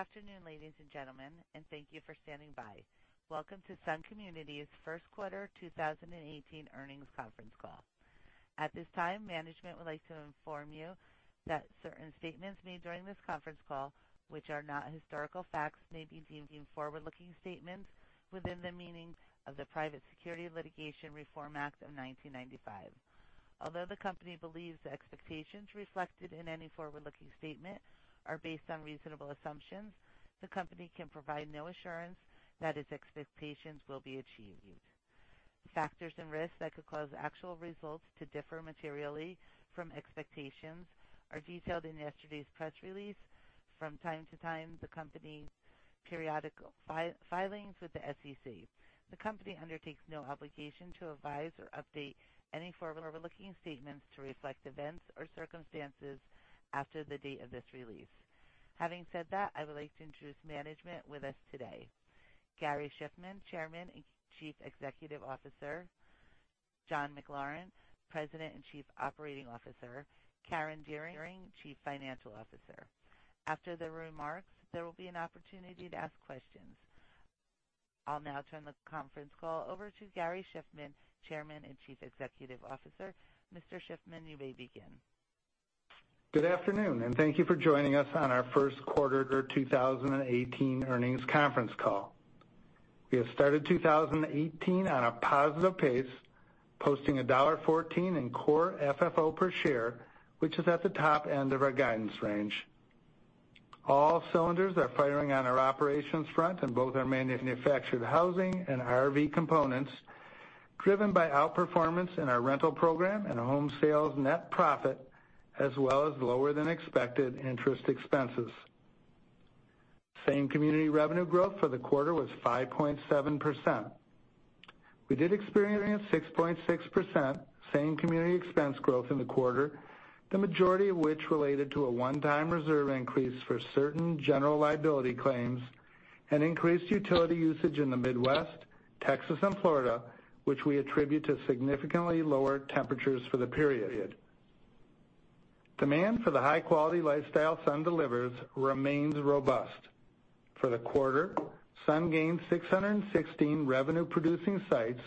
Good afternoon, ladies and gentlemen, and thank you for standing by. Welcome to Sun Communities' first quarter 2018 earnings conference call. At this time, management would like to inform you that certain statements made during this conference call, which are not historical facts, may be deemed forward-looking statements within the meaning of the Private Securities Litigation Reform Act of 1995. Although the company believes the expectations reflected in any forward-looking statement are based on reasonable assumptions, the company can provide no assurance that its expectations will be achieved. Factors and risks that could cause actual results to differ materially from expectations are detailed in yesterday's press release. From time to time, the company's periodic filings with the SEC. The company undertakes no obligation to revise or update any forward-looking statements to reflect events or circumstances after the date of this release. Having said that, I would like to introduce management with us today, Gary Shiffman, Chairman and Chief Executive Officer, John McLaren, President and Chief Operating Officer, Karen Dearing, Chief Financial Officer. After the remarks, there will be an opportunity to ask questions. I'll now turn the conference call over to Gary Shiffman, Chairman and Chief Executive Officer. Mr. Shiffman, you may begin. Good afternoon, and thank you for joining us on our first quarter 2018 earnings conference call. We have started 2018 on a positive pace, posting $1.14 in core FFO per share, which is at the top end of our guidance range. All cylinders are firing on our operations front in both our manufactured housing and RV components, driven by outperformance in our rental program and home sales net profit, as well as lower than expected interest expenses. Same community revenue growth for the quarter was 5.7%. We did experience 6.6% same community expense growth in the quarter, the majority of which related to a one-time reserve increase for certain general liability claims and increased utility usage in the Midwest, Texas, and Florida, which we attribute to significantly lower temperatures for the period. Demand for the high-quality lifestyle Sun delivers remains robust. For the quarter, Sun gained 616 revenue-producing sites,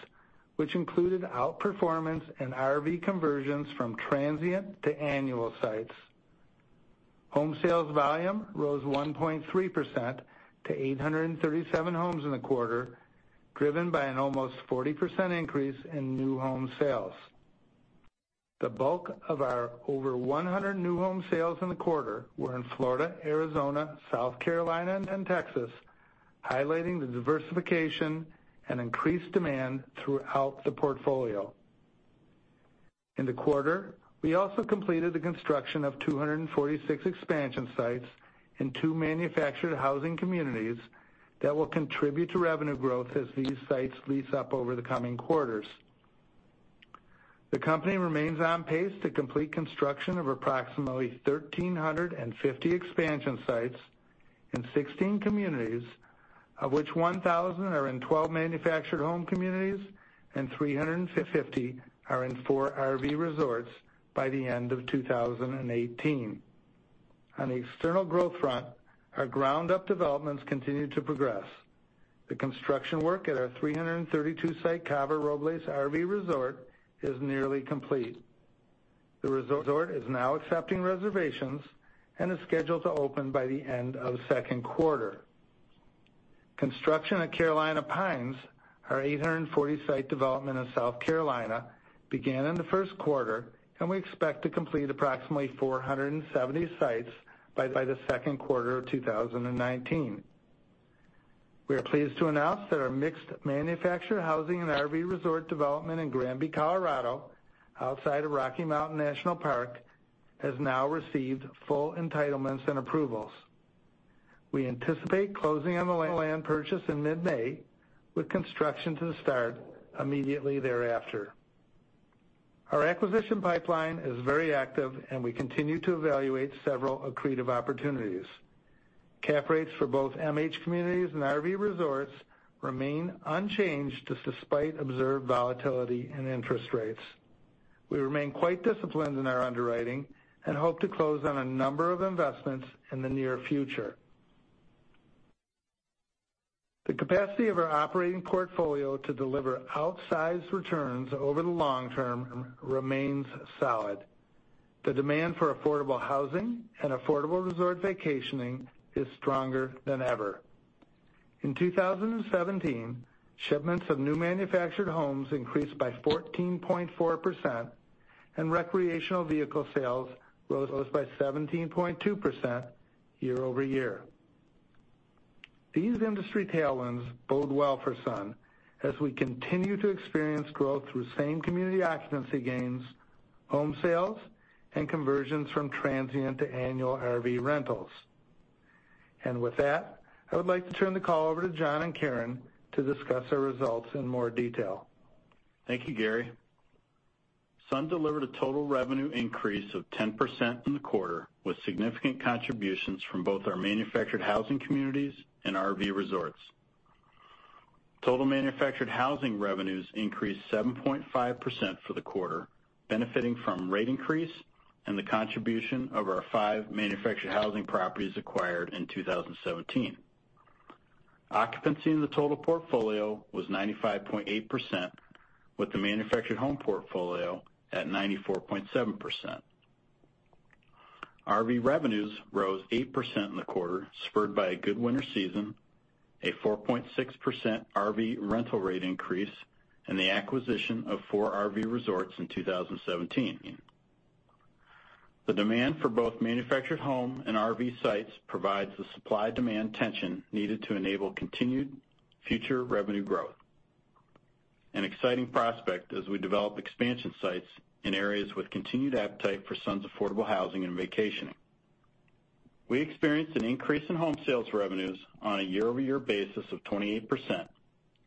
which included outperformance and RV conversions from transient to annual sites. Home sales volume rose 1.3% to 837 homes in the quarter, driven by an almost 40% increase in new home sales. The bulk of our over 100 new home sales in the quarter were in Florida, Arizona, South Carolina, and Texas, highlighting the diversification and increased demand throughout the portfolio. In the quarter, we also completed the construction of 246 expansion sites in two manufactured housing communities that will contribute to revenue growth as these sites lease up over the coming quarters. The company remains on pace to complete construction of approximately 1,350 expansion sites in 16 communities, of which 1,000 are in 12 manufactured home communities and 350 are in four RV resorts by the end of 2018. On the external growth front, our ground-up developments continue to progress. The construction work at our 332-site Cava Robles RV resort is nearly complete. The resort is now accepting reservations and is scheduled to open by the end of the second quarter. Construction at Carolina Pines, our 840-site development in South Carolina, began in the first quarter. We expect to complete approximately 470 sites by the second quarter of 2019. We are pleased to announce that our mixed manufactured housing and RV resort development in Granby, Colorado, outside of Rocky Mountain National Park, has now received full entitlements and approvals. We anticipate closing on the land purchase in mid-May with construction to start immediately thereafter. Our acquisition pipeline is very active. We continue to evaluate several accretive opportunities. Cap rates for both MH communities and RV resorts remain unchanged despite observed volatility in interest rates. We remain quite disciplined in our underwriting and hope to close on a number of investments in the near future. The capacity of our operating portfolio to deliver outsized returns over the long term remains solid. The demand for affordable housing and affordable resort vacationing is stronger than ever. In 2017, shipments of new manufactured homes increased by 14.4%. Recreational vehicle sales rose by 17.2% year-over-year. These industry tailwinds bode well for Sun as we continue to experience growth through same community occupancy gains, home sales, and conversions from transient to annual RV rentals. With that, I would like to turn the call over to John and Karen to discuss our results in more detail. Thank you, Gary. Sun delivered a total revenue increase of 10% in the quarter, with significant contributions from both our manufactured housing communities and RV resorts. Total manufactured housing revenues increased 7.5% for the quarter, benefiting from rate increase and the contribution of our five manufactured housing properties acquired in 2017. Occupancy in the total portfolio was 95.8%, with the manufactured home portfolio at 94.7%. RV revenues rose 8% in the quarter, spurred by a good winter season, a 4.6% RV rental rate increase, and the acquisition of four RV resorts in 2017. The demand for both manufactured home and RV sites provides the supply-demand tension needed to enable continued future revenue growth, an exciting prospect as we develop expansion sites in areas with continued appetite for Sun's affordable housing and vacationing. We experienced an increase in home sales revenues on a year-over-year basis of 28%,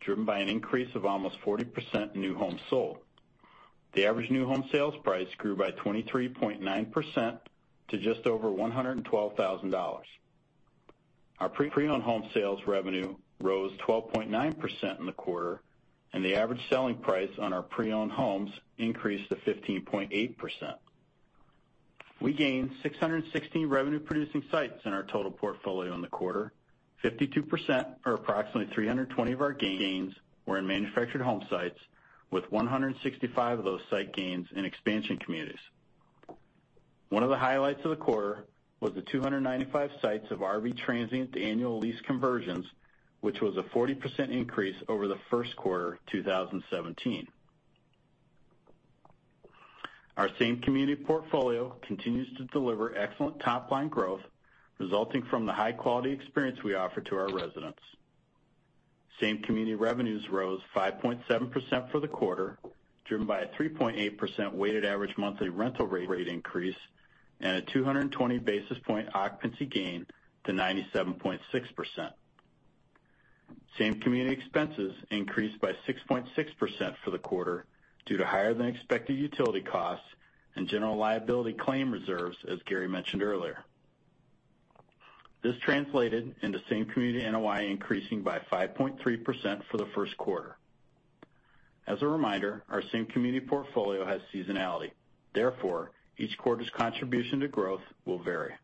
driven by an increase of almost 40% new homes sold. The average new home sales price grew by 23.9% to just over $112,000. Our pre-owned home sales revenue rose 12.9% in the quarter. The average selling price on our pre-owned homes increased to 15.8%. We gained 616 revenue-producing sites in our total portfolio in the quarter, 52%, or approximately 320 of our gains were in manufactured home sites with 165 of those site gains in expansion communities. One of the highlights of the quarter was the 295 sites of RV transient to annual lease conversions, which was a 40% increase over the first quarter 2017. Our same community portfolio continues to deliver excellent top-line growth resulting from the high-quality experience we offer to our residents. Same community revenues rose 5.7% for the quarter, driven by a 3.8% weighted average monthly rental rate increase and a 220 basis point occupancy gain to 97.6%. Same community expenses increased by 6.6% for the quarter due to higher than expected utility costs and general liability claim reserves, as Gary mentioned earlier. This translated into same community NOI increasing by 5.3% for the first quarter. As a reminder, our same community portfolio has seasonality. Therefore, each quarter's contribution to growth will vary.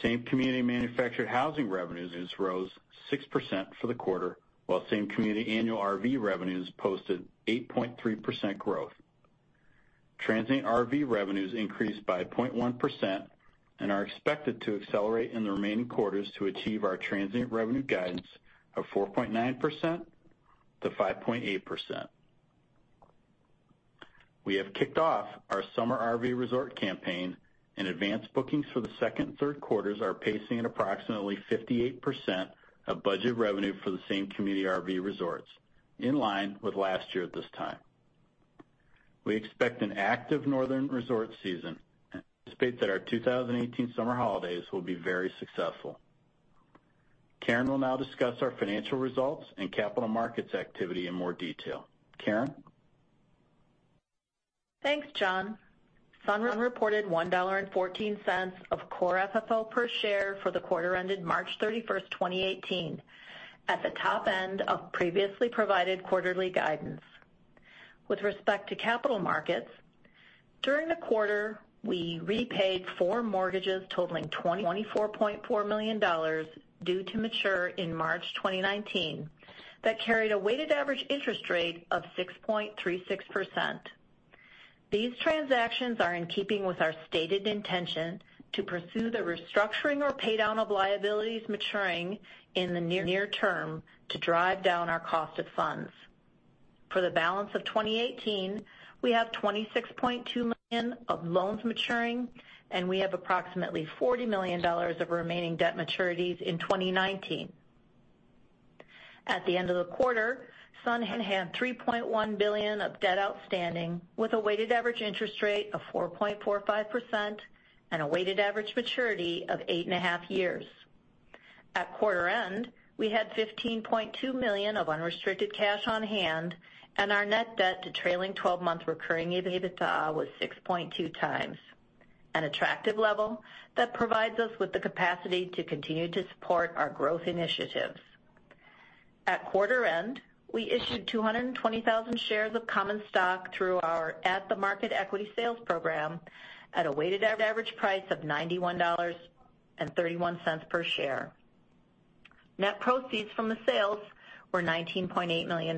Same community manufactured housing revenues rose 6% for the quarter, while same community annual RV revenues posted 8.3% growth. Transient RV revenues increased by 0.1% and are expected to accelerate in the remaining quarters to achieve our transient revenue guidance of 4.9%-5.8%. We have kicked off our summer RV resort campaign. Advanced bookings for the second and third quarters are pacing at approximately 58% of budget revenue for the same community RV resorts, in line with last year at this time. We expect an active northern resort season and anticipate that our 2018 summer holidays will be very successful. Karen will now discuss our financial results and capital markets activity in more detail. Karen? Thanks, John. Sun reported $1.14 of core FFO per share for the quarter ended March 31st, 2018, at the top end of previously provided quarterly guidance. With respect to capital markets, during the quarter, we repaid four mortgages totaling $24.4 million due to mature in March 2019 that carried a weighted average interest rate of 6.36%. These transactions are in keeping with our stated intention to pursue the restructuring or pay down of liabilities maturing in the near term to drive down our cost of funds. For the balance of 2018, we have $26.2 million of loans maturing, and we have approximately $40 million of remaining debt maturities in 2019. At the end of the quarter, Sun had $3.1 billion of debt outstanding with a weighted average interest rate of 4.45% and a weighted average maturity of eight and a half years. At quarter end, we had $15.2 million of unrestricted cash on hand, and our net debt to trailing 12-month recurring EBITDA was 6.2 times, an attractive level that provides us with the capacity to continue to support our growth initiatives. At quarter end, we issued 220,000 shares of common stock through our at-the-market equity sales program at a weighted average price of $91.31 per share. Net proceeds from the sales were $19.8 million.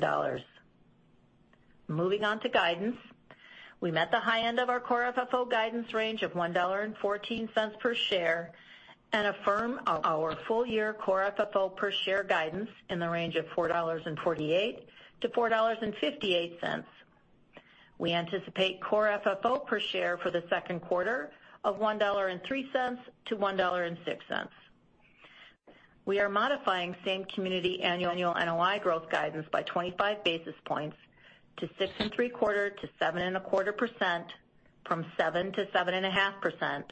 Moving on to guidance. We met the high end of our core FFO guidance range of $1.14 per share and affirm our full-year core FFO per share guidance in the range of $4.48-$4.58. We anticipate core FFO per share for the second quarter of $1.03-$1.06. We are modifying same community annual NOI growth guidance by 25 basis points to 6.75%-7.25%, from 7%-7.5%,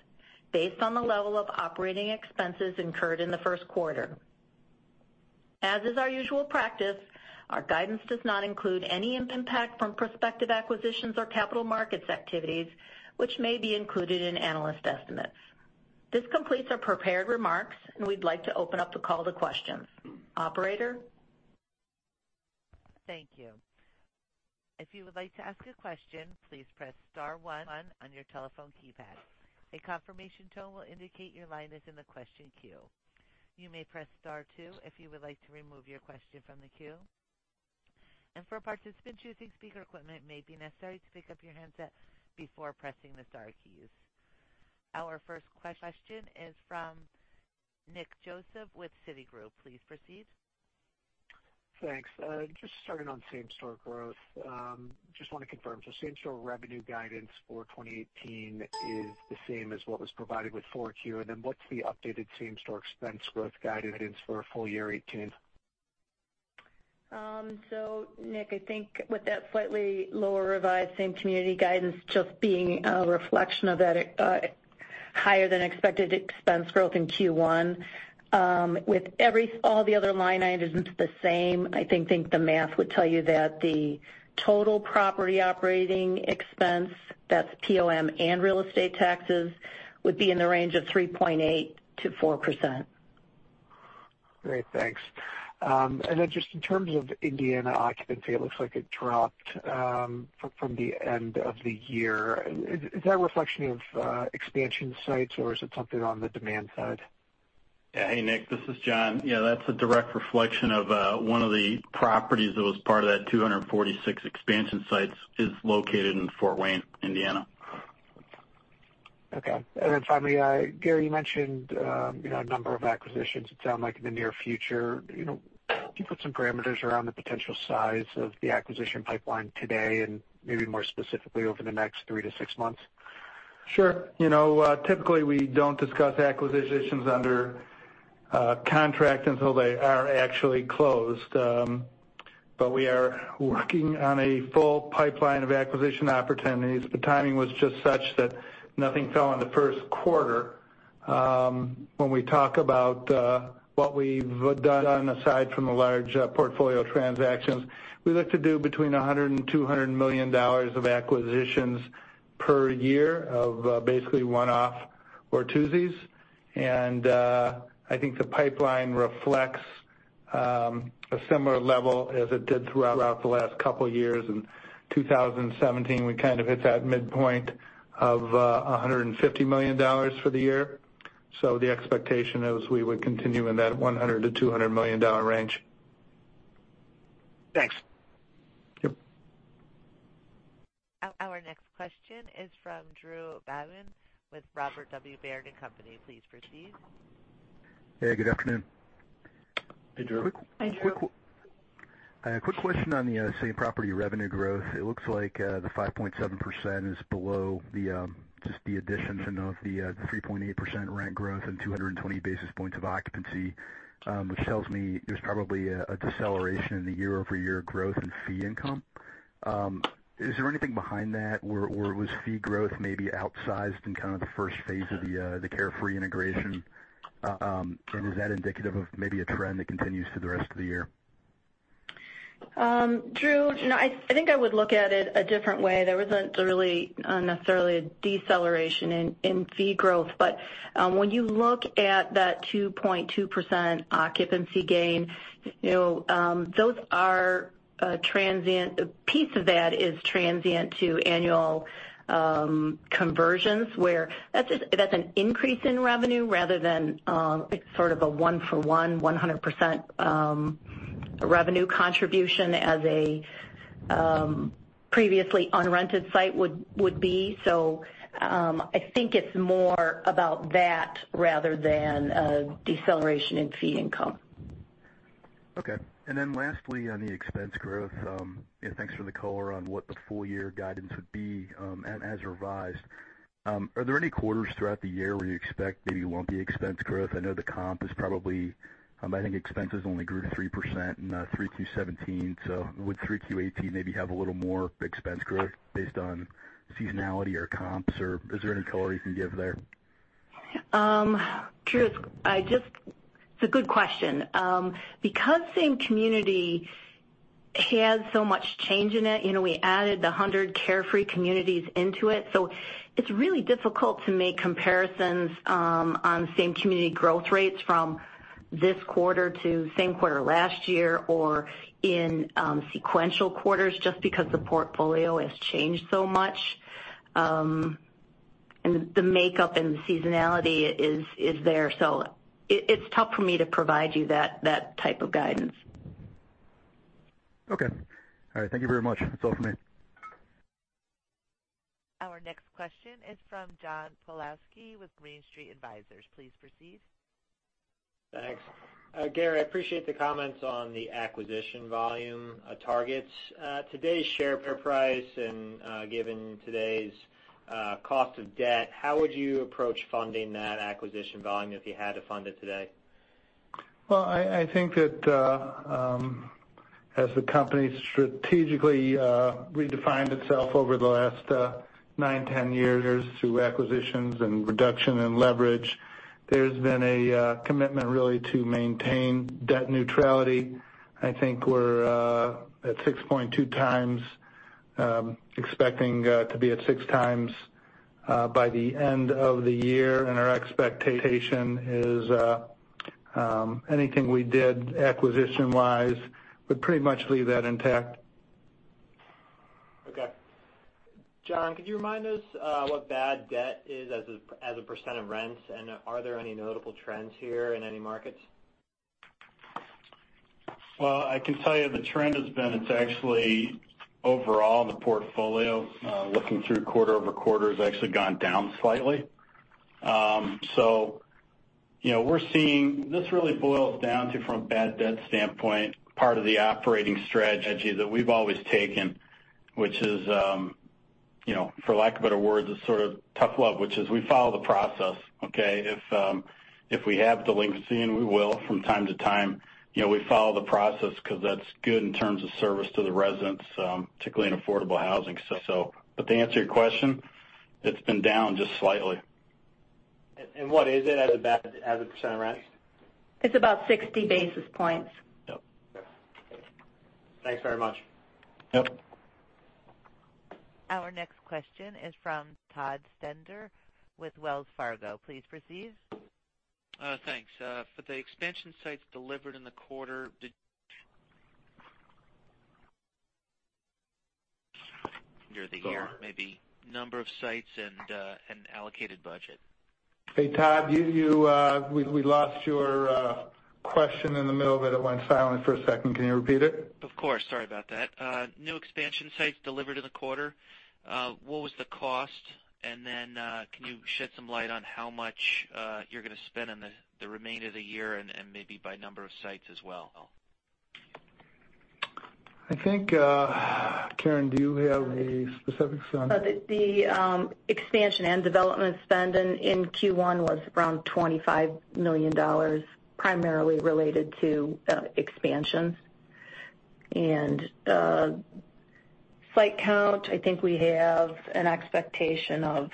based on the level of operating expenses incurred in the first quarter. As is our usual practice, our guidance does not include any impact from prospective acquisitions or capital markets activities, which may be included in analyst estimates. This completes our prepared remarks, we'd like to open up the call to questions. Operator? Thank you. If you would like to ask a question, please press star one on your telephone keypad. A confirmation tone will indicate your line is in the question queue. You may press star two if you would like to remove your question from the queue. For participants using speaker equipment, it may be necessary to pick up your handset before pressing the star keys. Our first question is from Nick Joseph with Citigroup. Please proceed. Thanks. Just starting on same store growth. Just want to confirm, same store revenue guidance for 2018 is the same as what was provided with 4Q? What's the updated same store expense growth guidance for full year 2018? Nick, I think with that slightly lower revised same community guidance just being a reflection of that higher than expected expense growth in Q1. With all the other line items the same, I think the math would tell you that the total property operating expense, that's POM and real estate taxes, would be in the range of 3.8%-4%. Great. Thanks. Just in terms of Indiana occupancy, it looks like it dropped from the end of the year. Is that a reflection of expansion sites, or is it something on the demand side? Hey, Nick, this is John. That's a direct reflection of one of the properties that was part of that 246 expansion sites is located in Fort Wayne, Indiana. Okay. Finally, Gary, you mentioned a number of acquisitions, it sounds like in the near future. Can you put some parameters around the potential size of the acquisition pipeline today and maybe more specifically over the next three to six months? Sure. Typically, we don't discuss acquisitions under contract until they are actually closed. We are working on a full pipeline of acquisition opportunities. The timing was just such that nothing fell in the first quarter. When we talk about what we've done aside from the large portfolio transactions, we look to do between $100 and $200 million of acquisitions per year of basically one-off or twosies. I think the pipeline reflects a similar level as it did throughout the last couple of years. In 2017, we kind of hit that midpoint of $150 million for the year. The expectation is we would continue in that $100 million-$200 million range. Thanks. Yep. Our next question is from Drew Babin with Robert W. Baird & Co.. Please proceed. Hey, good afternoon. Hey, Drew. Hey, Drew. A quick question on the same-property revenue growth. It looks like the 5.7% is below just the addition of the 3.8% rent growth and 220 basis points of occupancy, which tells me there's probably a deceleration in the year-over-year growth in fee income. Is there anything behind that, or was fee growth maybe outsized in kind of the first phase of the Carefree integration? Is that indicative of maybe a trend that continues through the rest of the year? Drew, no, I think I would look at it a different way. There wasn't really necessarily a deceleration in fee growth. When you look at that 2.2% occupancy gain, a piece of that is transient to annual conversions, where that's an increase in revenue rather than sort of a one for one, 100% revenue contribution as a previously unrented site would be. I think it's more about that rather than a deceleration in fee income. Okay. Lastly, on the expense growth, and thanks for the color on what the full year guidance would be as revised. Are there any quarters throughout the year where you expect maybe lumpy expense growth? I know the comp is probably-- I think expenses only grew 3% in 3Q17. Would 3Q18 maybe have a little more expense growth based on seasonality or comps, or is there any color you can give there? Drew, it's a good question. Because Sun Communities has so much change in it, we added 100 Carefree communities into it. It's really difficult to make comparisons on same community growth rates from this quarter to same quarter last year or in sequential quarters just because the portfolio has changed so much. The makeup and the seasonality is there. It's tough for me to provide you that type of guidance. Okay. All right. Thank you very much. That's all for me. Our next question is from John Pawlowski with Green Street Advisors. Please proceed. Thanks. Gary, I appreciate the comments on the acquisition volume targets. Today's share price and given today's cost of debt, how would you approach funding that acquisition volume if you had to fund it today? Well, I think that as the company strategically redefined itself over the last nine, 10 years through acquisitions and reduction in leverage, there's been a commitment really to maintain debt neutrality. I think we're at 6.2 times Expecting to be at 6x by the end of the year, our expectation is anything we did acquisition-wise would pretty much leave that intact. Okay. John, could you remind us what bad debt is as a % of rents, are there any notable trends here in any markets? Well, I can tell you the trend has been, it's actually overall in the portfolio, looking through quarter-over-quarter, has actually gone down slightly. We're seeing, this really boils down to, from a bad debt standpoint, part of the operating strategy that we've always taken, which is, for lack of better words, is sort of tough love, which is we follow the process. If we have delinquency, and we will from time to time, we follow the process because that's good in terms of service to the residents, particularly in affordable housing. To answer your question, it's been down just slightly. What is it as a % of rents? It's about 60 basis points. Yep. Okay. Thanks very much. Yep. Our next question is from Todd Stender with Wells Fargo. Please proceed. Thanks. For the expansion sites delivered in the quarter, did year-to-year, maybe number of sites and allocated budget? Hey, Todd, we lost your question in the middle of it. It went silent for a second. Can you repeat it? Of course. Sorry about that. New expansion sites delivered in the quarter, what was the cost? Then, can you shed some light on how much you're going to spend in the remainder of the year and maybe by number of sites as well? I think, Karen, do you have the specifics on the expansion and development spend in Q1 was around $25 million, primarily related to expansion. Site count, I think we have an expectation of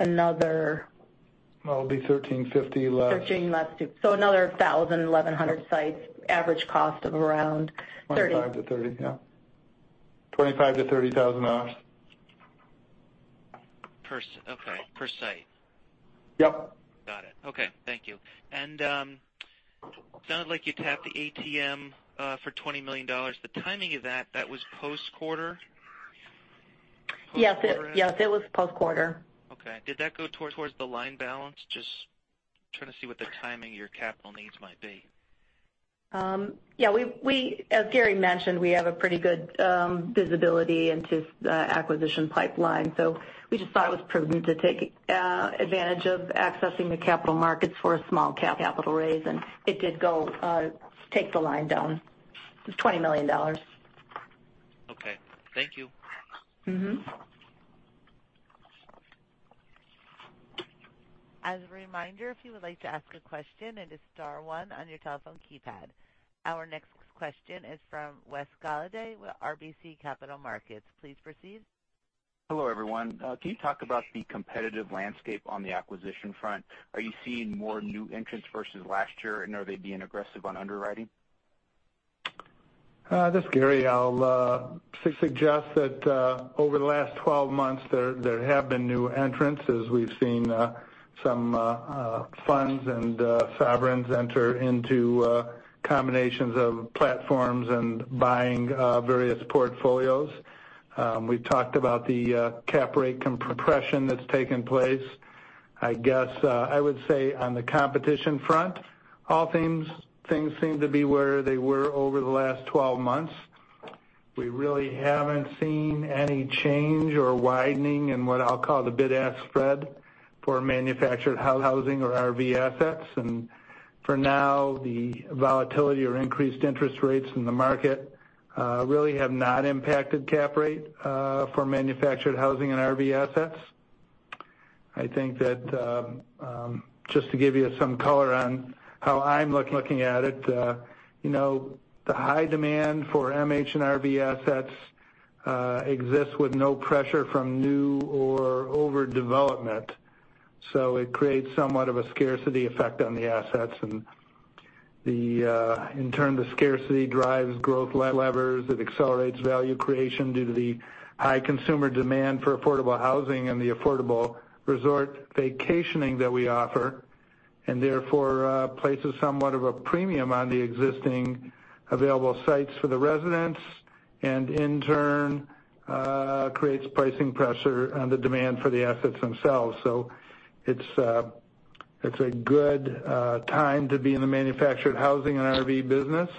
another- Well, it'll be 1,350 left. 13 left. Another 1,000, 1,100 sites, average cost of around $30,000. $25,000-$30,000, yeah. $25,000-$30,000. Okay, per site? Yep. Got it. Okay. Thank you. It sounded like you tapped the ATM for $20 million. The timing of that was post-quarter? Yes. Post-quarter. Yes, it was post-quarter. Okay. Did that go towards the line balance? Just trying to see what the timing of your capital needs might be. Yeah. As Gary mentioned, we have a pretty good visibility into the acquisition pipeline. We just thought it was prudent to take advantage of accessing the capital markets for a small capital raise. It did take the line down. It was $20 million. Okay. Thank you. As a reminder, if you would like to ask a question, it is star one on your telephone keypad. Our next question is from Wes Golladay with RBC Capital Markets. Please proceed. Hello, everyone. Can you talk about the competitive landscape on the acquisition front? Are you seeing more new entrants versus last year, and are they being aggressive on underwriting? This is Gary. I'll suggest that over the last 12 months, there have been new entrants as we've seen some funds and sovereigns enter into combinations of platforms and buying various portfolios. We've talked about the cap rate compression that's taken place. I guess I would say on the competition front, all things seem to be where they were over the last 12 months. We really haven't seen any change or widening in what I'll call the bid-ask spread for manufactured housing or RV assets. For now, the volatility or increased interest rates in the market really have not impacted cap rate for manufactured housing and RV assets. I think that, just to give you some color on how I'm looking at it, the high demand for MH and RV assets exists with no pressure from new or overdevelopment. It creates somewhat of a scarcity effect on the assets, in turn, the scarcity drives growth levers. It accelerates value creation due to the high consumer demand for affordable housing and the affordable resort vacationing that we offer, therefore, places somewhat of a premium on the existing available sites for the residents, in turn, creates pricing pressure on the demand for the assets themselves. It's a good time to be in the manufactured housing and RV business,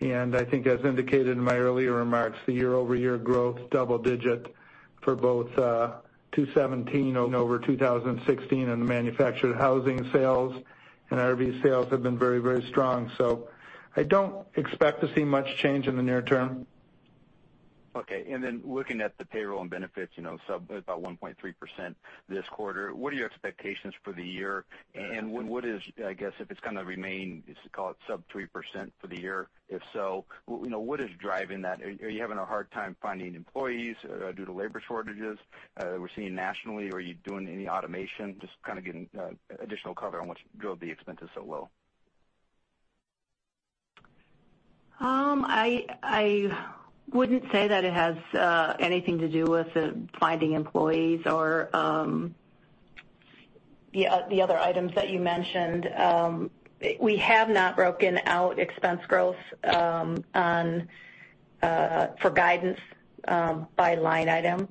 I think as indicated in my earlier remarks, the year-over-year growth, double digit for both 2017 over 2016, the manufactured housing sales and RV sales have been very, very strong. I don't expect to see much change in the near term. Okay. Looking at the payroll and benefits, about 1.3% this quarter, what are your expectations for the year? What is, I guess, if it's going to remain, call it sub 3% for the year, if so, what is driving that? Are you having a hard time finding employees due to labor shortages we're seeing nationally? Are you doing any automation? Just kind of getting additional color on what drove the expenses so low. I wouldn't say that it has anything to do with finding employees or the other items that you mentioned. We have not broken out expense growth for guidance by line item.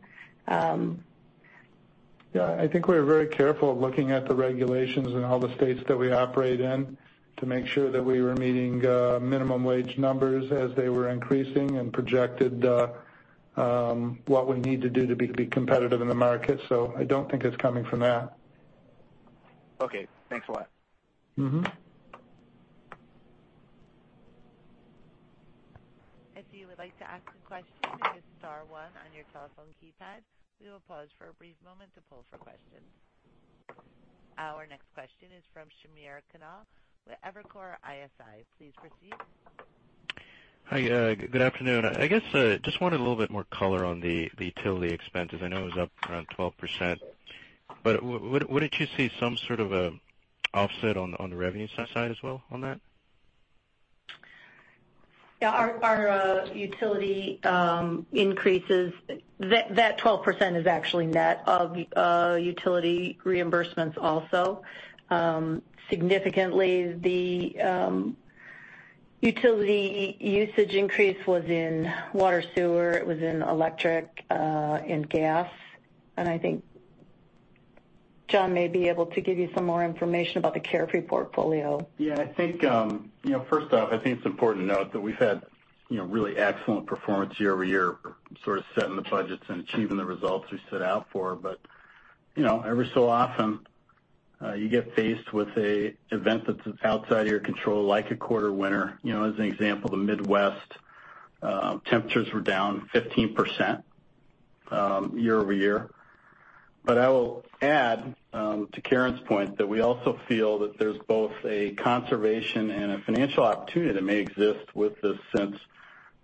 Yeah, I think we're very careful of looking at the regulations in all the states that we operate in to make sure that we were meeting minimum wage numbers as they were increasing and projected what we need to do to be competitive in the market. I don't think it's coming from that. Okay. Thanks a lot. If you would like to ask a question, hit star one on your telephone keypad. We will pause for a brief moment to poll for questions. Our next question is from Samir Khanal with Evercore ISI. Please proceed. Hi. Good afternoon. I guess, just wanted a little bit more color on the utility expenses. I know it was up around 12%, wouldn't you see some sort of an offset on the revenue side as well on that? Yeah. Our utility increases, that 12% is actually net of utility reimbursements also. Significantly, the utility usage increase was in water sewer, it was in electric and gas. I think John may be able to give you some more information about the Carefree portfolio. Yeah. First off, I think it's important to note that we've had really excellent performance year-over-year, sort of setting the budgets and achieving the results we set out for. Every so often, you get faced with an event that's outside of your control, like a quarter winter. As an example, the Midwest, temperatures were down 15% year-over-year. I will add to Karen's point that we also feel that there's both a conservation and a financial opportunity that may exist with this, since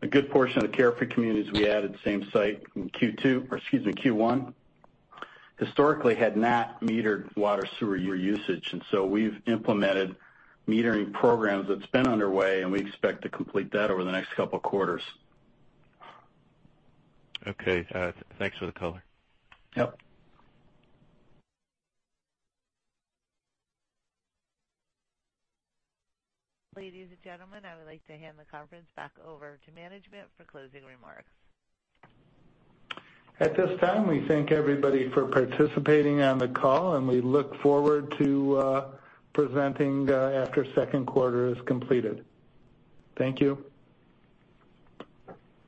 a good portion of the Carefree communities we added same site in Q2, or excuse me, Q1, historically had not metered water sewer usage. We've implemented metering programs that's been underway, and we expect to complete that over the next couple of quarters. Okay. Thanks for the color. Yep. Ladies and gentlemen, I would like to hand the conference back over to management for closing remarks. At this time, we thank everybody for participating on the call, and we look forward to presenting after second quarter is completed. Thank you.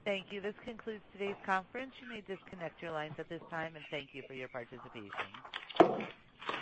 Thank you. This concludes today's conference. You may disconnect your lines at this time, and thank you for your participation.